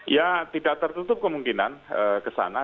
ya tidak tertutup kemungkinan ke sana